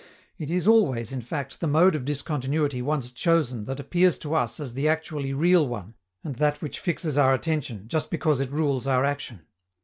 It is always, in fact, the mode of discontinuity once chosen that appears to us as the actually real one and that which fixes our attention, just because it rules our action.